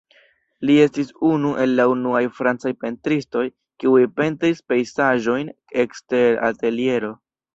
Li estis unu el la unuaj francaj pentristoj kiuj pentris pejzaĝojn ekster ateliero.